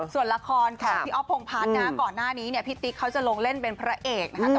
ส่วนละครของพี่อ๊อฟพงพัฒน์นะก่อนหน้านี้เนี่ยพี่ติ๊กเขาจะลงเล่นเป็นพระเอกนะคะ